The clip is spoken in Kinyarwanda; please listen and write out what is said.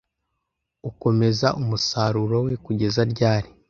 ukomeza umusaruro we kugeza ryari